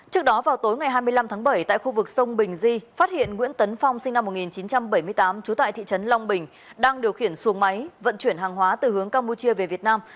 trước đó vào tối ngày hai mươi năm tháng bảy tại khu vực sông bình di phát hiện nguyễn tấn phong sinh năm một nghìn chín trăm bảy mươi tám trú tại thị trấn long bình đang điều khiển xuồng máy vận chuyển hàng hóa từ hướng campuchia về việt nam